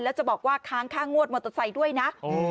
แล้วจะบอกว่าค้างค่างวดมอเตอร์ไซค์ด้วยนะ